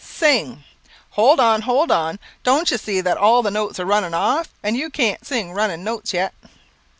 Sing! Hold on! hold on! Don't you see that all the notes are running off, and you can't sing running notes yet."